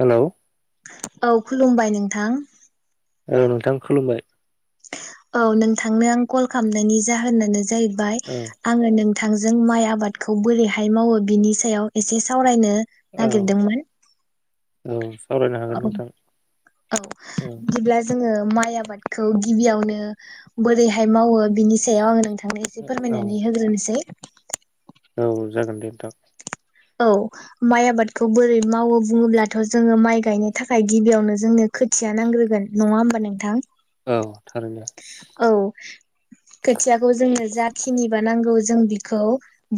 Hello औ खुलुमबाय नोंथां। औ नोंथां खुलुमबाय औ नोंथांनो आं कल खालामनायनि जाहोनानो जाहै बाय औ आङो नों थांजों माइ आबादखौ बोरैहाय मावो बिनि सायाव एसे सावरायनो औ नागिरदोंमोन औ सावरायनो औ हागोन नोंथां औ औ बिदिब्ला जोङो माय आबादखौ गिबियावनो बोरैहाय मावो बिनि सायाव आङो नोंथांनो एसे औ फोरमायनानै होग्रोनोसै औ जागोन दे नोंथां। औ माइ आबादखौ बोरै मावो बुङोब्लाथ' जोङो माइ गायनो थाखाय गिबियावनो जोंनो खोथिया नांग्रोगोन नङा होमबा नोंथां? औ थारैनो औ खोथियाखौ जोंनो जाखिनिबा नांगौ ज जों बिखौ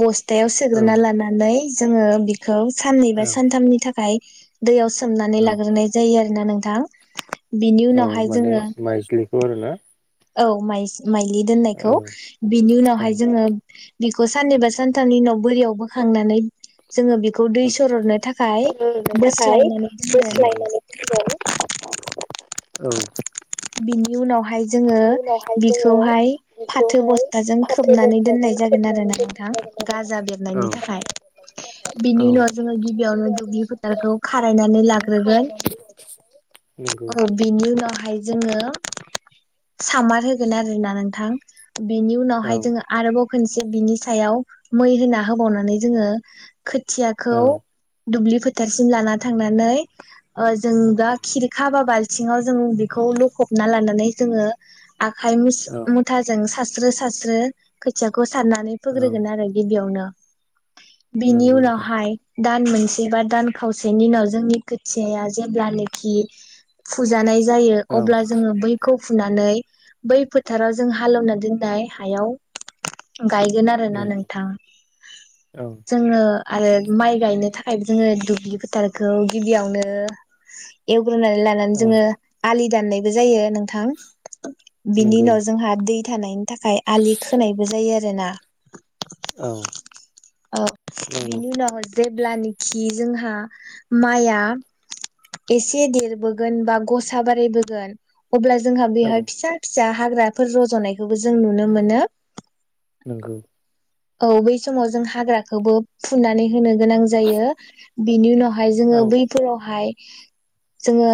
बस थायाव औ सोग्रोना लानानै जोङो बिख खौ साननै बा औ सानथामनि थाखाय दैयाव स सोमनानै औ लाग्रोनाय जायो आरो ना नोंथां बिनि औ उनावहाय माने जोङो माइज्लिखौ आरो ना औ माइज माइलि दोननायखौ बिनि औ उनावहाय जोङो बिखौ साननैबा सानथामनि उनाव बोरियाव बोखांनानै जोङो बिखौ दै औ सर'दनो थाखाय सोलोंनो थाखाय बोस्लायनानै दोनगोन बोस्लायनानै औ बिनि उनाव ह हाय जोङो जोङो बिखौहाय फाथो बेखौहाय बस्थाजों फाथो खोबनानै बस्थाजों दोननाय जागोन आरो खोबनानै ना नोंथां दोननाय जागोन गाजा बेरनायनि आरोना थाखाय गाजा बेरनायनि बिनि उनाव जोङो थाखाय बिनि गिबियावनो दुब्लि उनाव फोथारखौ खारायनानै जोङो लाग्रोगोन खारायनानै होगोन। नंगौ औ उनावहाय जोङो सामार होगोन आरोना नोंथां बेनि उनावहाय जोङो आरोबाव खोनसे बिनि सायाव मै होना होबावनानै जोङो खोथियाखौ औ दुब्लि फोथारसिम लाना थांनानै ओ जों दा औ खिरखाबा बाल थिंङाव जों बिखौ लखबना लानानै जोङो आखाइ मुस औ मुथाजों सास स्रो सास्रो खैथियाख खौ सारनानै फोग्रोगोन आरो गिबियावनो बेनि नंगौ नोंथां उनावहाय दान मोनसे बा दान खावसेनि उनाव जोंनि खोथियाया जेब्लानोखि फुजानाय ज जायो औ अब्ला जोङो बैखौ फुनानै बै फोथाराव जों हालौवना दोननाय हायाव गायगोन आरोना नंगौ नोंथां औ जोङो आरो माइ गायनो थाखायबो जोङो दुब्लि फोथारखौ गिबियावनो एवग्रोनाय औ जोङो आलि दाननायबो जायो नोंथां बिनि नंगौ उनाव जोंहा दै थानायनि थाखाय आलि खोनायबो जायो आरो जेना औ अ नंगौ बिनि उनाव जेब्ला निखि जोंहा माया एसे देरबो गोन बा गसा बारायबोगोन अब्ला जोंहा औ बेहाय फिसा फिसा हाग्राफोर रज'नायखौबो जों नुनो मोनो नोंगौ औ बै समाव जों हाग्राखोबो फुनानै होनो गोनां जायो बिनि उनाव हाय जोङो औ बैफोरावहाय जोङो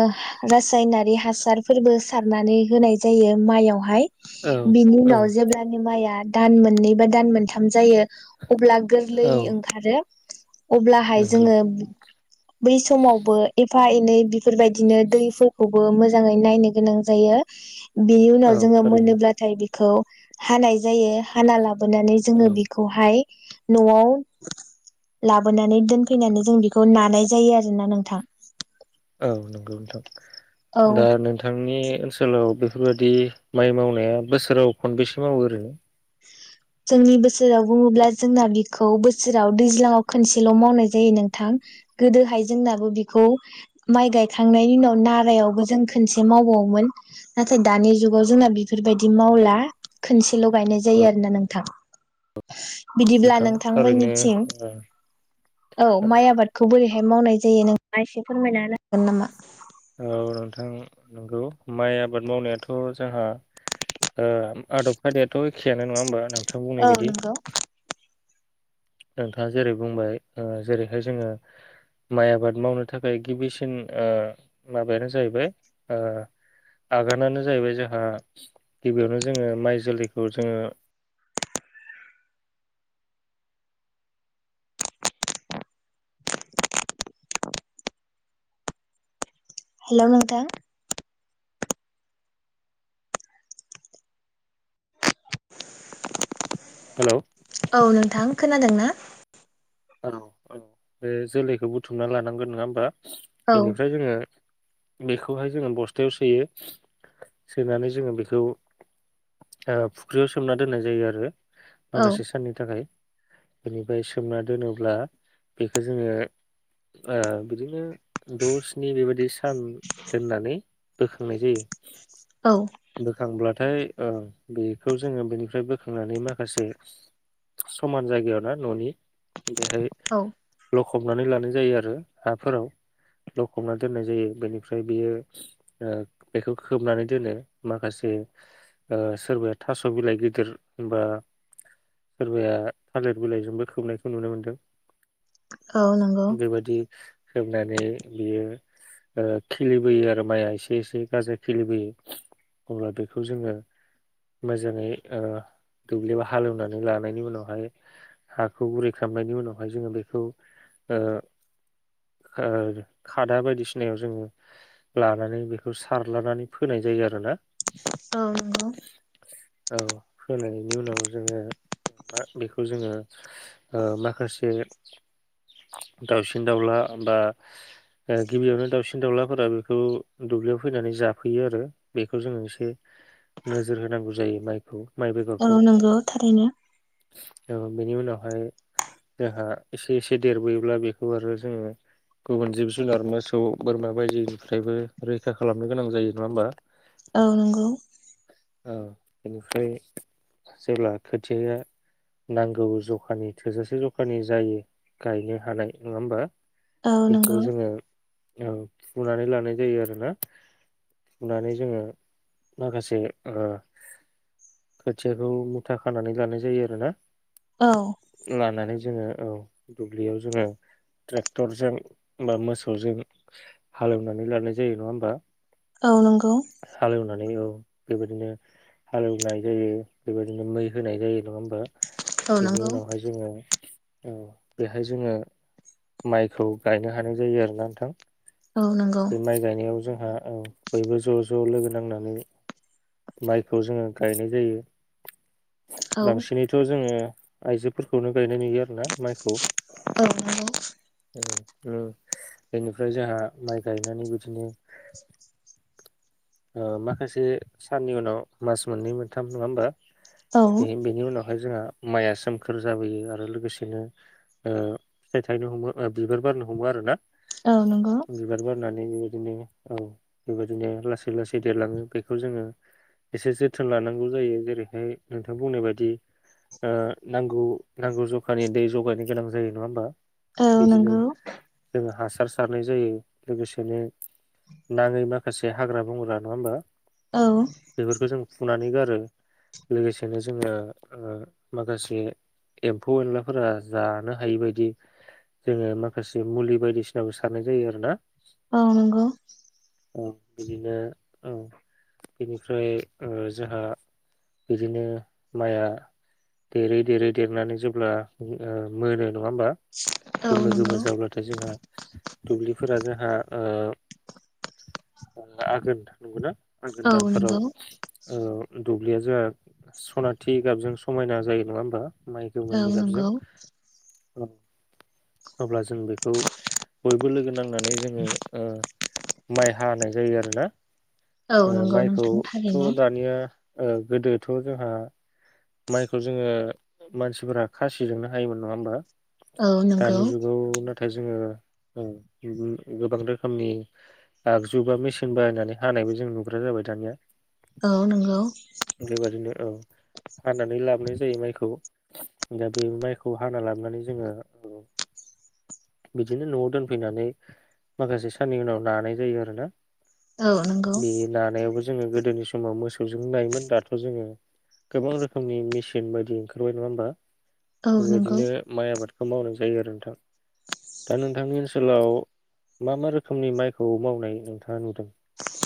रासायनारि हासारफोरबो सारनानै होनाय जायो मायावहाय औ बेनि औ उनाव जेबोब्लानो माया दान मोननै बा दान मोनथाम जायो अब्ला गोर्लै औ ओंखारो अब्लाहाय नंगौ जोङो बै समावबो एफा एनै बेफोरबाय दिनो दैफोरखौबो मोजाङै नायनो गोनां जायो बिनि उनाव औ जोङो थारैनो मोनोब्लाथाय बिख खौ हानाय जायो हाना लाब बोनानै जोङो औ बेखौहाय न'आव लाबोनानै दोनफैनानै जों बेखौ नानाय जायो आरोना नोंथां औ नंगौ औ नोंथां दा नोंथांनि ओनसोलाव बेफोरबादि माइ मावनाया बोसोराव खनबेसो मावो ओरैनो जोंनि बोसोराव बुङोब्ला जोंना बिखौ बोसोराव दैज्लाङाव खनसेल' मावनाय जायो नोंथां गोदोहाय जोंनाबो बिखौ माइ गायखांनायनि उनाव नारायावबो जों खनसे मावबावोमोन नाथाय दानि जुगाव जोंना बेफोरबायदि मावला खनसेल' गायनाय औ जायो आरोना नों थां बिदिब्ला नोंथां थारैनो नोंथांमोननिथिं औ औ माइ आबादखौ बोरै हाय मावनाय जायो नों आं एसे फोरमायना हागोन नामा औ नोंथां नंगौ माइ आबाद मावनायाथ' जोंहा ओ आदब खायदायाथ' एखेयानो नङा होमबा नों औ नंगौ नोंथाङा जेरै बुंबाय ओ जेरैहाय जोङो माइ आबाद मावनो थाखाय गिबिसिन ओ माबायानो जाहैबाय ओ आगानानो जाहैबाय जोंहा गिबियावनो जोङो माइ जोलैखौ जोङो। हेल' नोंथां हेलौ [inaudible] औ नोंथां खोनादों ना? औ औ बे जोलैखौ बुथुमना लानांगोन नङा होमबा? औ बेनिफ्राय जोङो बेखौहाय जोङो बस्थायाव सोयो सोनानै जोङो बेखौ ओ फुख्रियाव सोमना दोननाय जायो आरो औ माखासे साननि थाखाय बेनिफ्राय सोमना दोनोब्ला बेखौ जोङो ओ बिदिनो द' स्नि बेबायादि सान दोननानै बोखांनाय जायो औ बोखांब्लाथाय ओ बेखौ जोङो बेनिफ्राय बोखांनानै माखासे समान जायगायाव ना न'नि औ [unintelligible] खबनानै लानाय जायो आरो हाफोराव लखबनानै दोननाय जायो बेनिफ्राय बियो ओ बेखौ खोबनानै दोनो माखासे ओ सोरबाया थास' बिलाइ गोदिर होनबा सोरबाया थालिर बिलाइजोंबो खोबनायखौ नुनो मोनदों। औ नंगौ [inaudible] बेबायादि हेबनानै बियो ओ खिलिबोयो आरो माइआ एसे एसे गाजा खिलिबोयो अब्ला बेखौ जोङो मोजाङै ओ दुब्लिआव हालेवनानै लानायनि उनावहाय हाखौ गुरै खालामनायनि उनावहाय जोङो बेखौ ओ ओ खादा बायदिसिनायाव जोङो लानानै बेखौ सारलानानै फोनाय जायो आरोना औ नंगौ औ फोनायनि उनाव जोङो बेखौ जोङो ओ माखासे दाउसिन दाउला बा गिबियावनो दाउसिन दाउलाफोरा बेखौ दुब्लियाव फैनानै जाफैयो आरो बे खौ जोङो एसे नोजोर होनांगौ जायो। मायखौ औ नंगौ थारैनो औ बेनि उनावहाय जोंहा एसे एसे देरबोयोब्ला बेखौ आरो जोङो गुबुन जिब जुनार मोसौ बोरमा बायदिनिफ्रायबो रैखा खालामनो गोनां जायो नङा होमबा औ नंगौ औ बेनिफ्राय जेब्ला खोथियाया नांगौ जखानि थोजासे जखानि जायो गायनो हानाय नङा होमबा? औ बेखौ नंगौ जोंङो औ फुनानै लानाय जायो आरोना फुनानै जोङो माखासे ओ खोथियाखौ मुथा खानानै लानाय जायो आरोना औ लानानै जोङो औ दुब्लियाव जोङो ट्रेक्टरजों बा मोसौजों हालेवनानै लानाय जायो नङा होमबा औ नंगौ हालेवनानै औ बेबायदिनो हालेवनाय जायो बेबायदिनो मै होनाय जायो नङा होमबा? औ बेनि नंगौ उनावहाय जोङो औ बेहाय जोङो माइखौ गायनो हानाय जायो आरोना नोंथां औ नंगौ बे माइ गायनायाव जों ओ ओ बयबो ज' ज' लोगो नांनानै माइखौ जोङो गायनाय जायो। औ बांसिनैथ' जोङो आइजोफोरखौनो गायना य नुयो आरो ना माइखौ। नंगौ ओ बेनिफ्राय जोंहा माइ गायनानै बिदिनो ओ माखासे साननि उनाव मास मोननै मोनथाम नङा होमबा औ बे बेनि उनाव बेहाय जोंहा माइया सोमखोर जाबोयो आरो लोगोसेनो ओ फिथाइ थायनो हमो बिबार बारनो हमो आरो ना। औ नंगौ बिबार बारनानै बि बिदिनो औ बेबायदिनो लासै लासै देरलाङो बि बेखौ जोङो एसे जोथोन लानांगौ जायो जेरैहाय नोंथां बुंनाय बायदि ओ नांगौ नांगौ जखानि दै जगायनो गोनां जायो नङा होमबा? औ बिदिनो नंगौ जोङो हास हासार सारनाय जायो लोगोसेनो नाङै माखासे हाग्रा बंग्रा नङा होमबा? औ बेफोरखौ जों फुनानै गारो लोगोसेनो जोङो ओ माखासे एम्फौ एनलाफोरा जानो हायि बायदि जोङो माखासे मुलि बायदिसिनाबो सारनाय जायो आरोना? औ नंगौ। ओ बिदिनो औ। बेनिफ्राय ओ जोहा बिदिनो माइआ देरै देरै देरनानै जेब्ला ओ मोनो नङा होमबा? औ गोमो नंगौ गोमो जाब्लाथाय जोंहा दुबलि फोर जोंहा ओ आघोन नोंगौना? आघोन दानफोराव ओ दुब्लिया जोंहा सनाथि गाबजों समायना जायो नङा होमबा? माइ औ गोमोननि गाबजों। नंगौ औ अब्ला जों जों बेखौ बयबो लोगो नांनानै जोङो ओ माइ हानाय जायो आरोना। औ ओ नंगौ नोंथां थारैनो माइखौथ' दानिया ओ गोदोथ' जोंहा माइखौ जोङो मानसिफोरा खासिजोंनो हायोमोन नङा होमबा? औ नंगौ दानि जुगाव नों दा जोङो [unintelligible] गोबां रोखोमनि आगजु बा मेसिन बायनानै हानायबो जों नुग्रा जाबाय दानिया। औ नंगौ। बेबादिनो औ हानानै लाबोनाय जायो माइखौ। दा बे माइखौ हाना लाबोनानै जोङो ओ बिदिनो न'आव दोनफैनानै माखासे साननि उनाव नानाय जायो आरोना। औ नंगौ बे नानायावबो जोङो गोदोनि समाव मोसौजों नायोमोन दाथ' जोङो गोबां रोखोमनि मेसिन बायदि ओंखारबाय नङा होमबा? औ नंगौ बेबायदिनो माइ आबाद मावनाय जायो आरो नोंथां। दा नोंथांनि ओनसोलाव मा मा रोखोमनि माइखौ मावनाय नोंथाङा नुदों?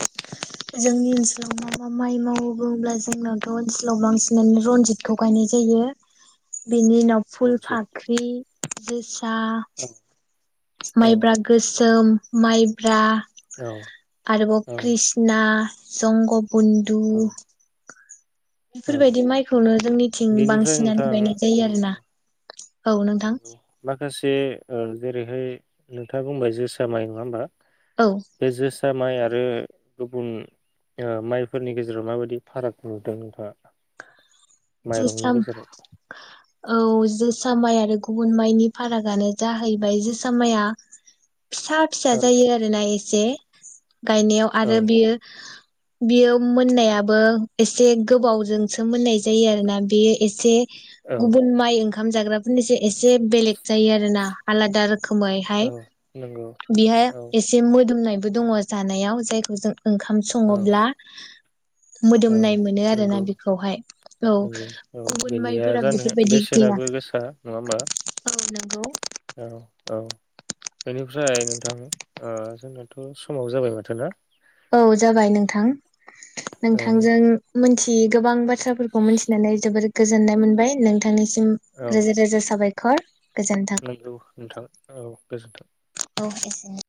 [inaudible] जोंनि ओनसोलाव माबा माइ मावो बुङोब्ला जोंनावथ' ओनसोलाव बांसिनानो रन्जितखौ गायनाय जायो। बिनि उनाव फुल रनजित फाख्रि जोस सा औ औ माइब्रा गोस सोम माइब्रा औ आरोबाव औ कृष्णा ना संग बुन्दु औ बेफोरबायदि माइखौनो जोंनिथिं बेनिफ्राय बांसिनानो नोंथां गायनाय जायो ओ आरोना। औ नोंथां [unintelligible] माखासे ओ जेरैहाय नोंथाङा बुंबाय जोसा माइ नङा होमबा। औ बे जोसा माइ आ रो गुबुन माइफोरनि गेजेराव माबायदि फाराग नुदों नोंथाङा? जोसा माइरंनि गेजेराव? [inaudible] औ जोसा माइ आरो गुबुन माइनि फारागानो जाहैबाय जोसा माइया फिसा फिसा औ जायो आरोना ए से गायनायाव औ आरो बियो बियो मोननायाबो एसे गोबावजोंसो मोननाय जायो आरोना बेयो एसे औ गुबुन माइ ओं ओंखाम जाग्राफोरनिसाय एसे बेलेग जायो आरो ना आलादा रोखोमैहाय। औ नंगौ बेहाय औ एसे मोदोमनाय बो दङ' जानायाव जायखौ जों ओंखाम औ सङोब्ला औ मोदोमनाय मोनो आरोना नंगौ बेखौहाय। औ औ गुबुन बेनिया माइफोरा जानो बेफोरबायदि गैया बेसेनाबो गोसा नङा होमबा? औ नंगौ औ। औ, बेनिफ्राय नोंथां ओ जोंनाथ' समाबो जाबाय माथो ना। औ जाबाय नोंथां। औ नोंथांजों मिथियै गोबां बाथ्राफोरखौ मिथिनानै जोबोर गोजोननाय मोनबाय नोंथां सिम रोजा रोजा साबाय खर नोंगौ नोंथां औ गोजोनथों औ एसेनो